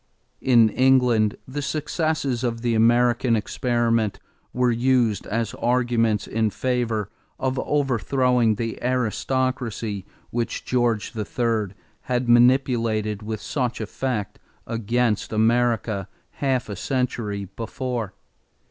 In England, the successes of the American experiment were used as arguments in favor of overthrowing the aristocracy which George III had manipulated with such effect against America half a century before.